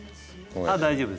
ああ大丈夫です。